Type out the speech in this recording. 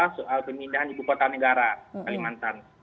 soal pemindahan di buku kota negara kalimantan